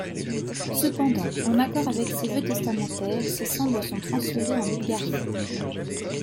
Cependant, en accord avec ses vœux testamentaires, ses cendres sont transférées en Bulgarie.